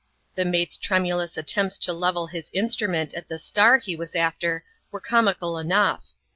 The mate's tremulous attempts to level his instrument at the star he was after, were comical enough.